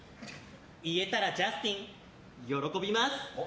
言えたらジャスティン喜びます。